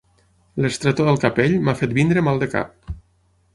L'estretor del capell m'ha fet venir mal de cap.